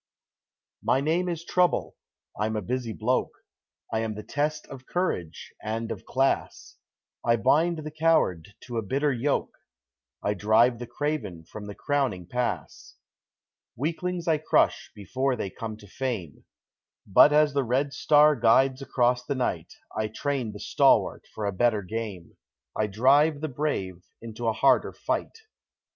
My name is Trouble I'm a busy bloke I am the test of Courage and of Class I bind the coward to a bitter yoke, I drive the craven from the crowning pass; Weaklings I crush before they come to fame; But as the red star guides across the night, I train the stalwart for a better game; I drive the brave into a harder fight.